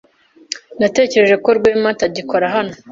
Natekereje ko Rwema atagikora hano.